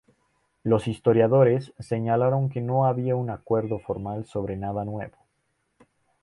Los historiadores señalaron que no había un acuerdo formal sobre nada nuevo.